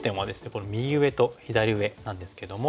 この右上と左上なんですけども。